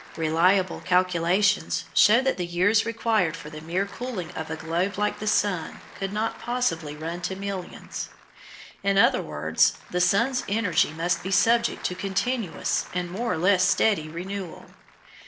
Reliable calculations show that the years required for the mere cooling of a globe like the sun could not possibly run to millions. In other words, the sun's energy must be subject to continuous and more or less steady renewal.